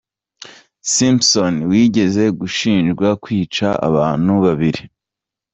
Simpson wigeze gushinjwa kwica abantu babiri.